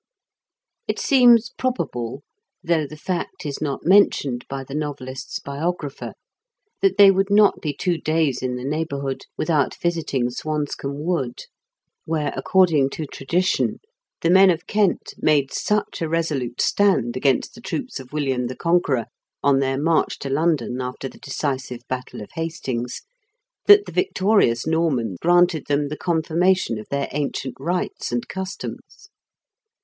It seems probable, though the fact is not mentioned by the novelist's biographer, that they would not be two days in the neighbour hood without visiting Swanscomb Wood, where, 10 IN KENT WITH 0EAELE8 BI0KEN8. according to tradition, the men of Kent made such a resolute stand against the troops of William the Conqueror, on their march to London after the decisive battle of Hastings, that the victorious Norman granted them the confirmation of their ancient rights and customs.